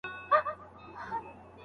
آيا ازاده مطالعه د ټولني په ګټه ده؟